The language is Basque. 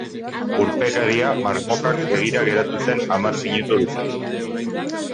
Urpekaria marmokak begira geratu zen hamar minutu luzez.